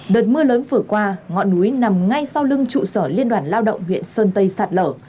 đợt mưa lớn vừa qua ngọn núi nằm ngay sau lưng trụ sở liên đoàn lao động huyện sơn tây sạt lở